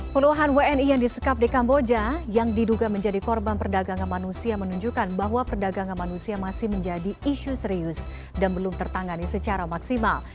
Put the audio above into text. puluhan wni yang disekap di kamboja yang diduga menjadi korban perdagangan manusia menunjukkan bahwa perdagangan manusia masih menjadi isu serius dan belum tertangani secara maksimal